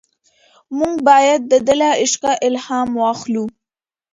موږ باید د ده له عشقه الهام واخلو.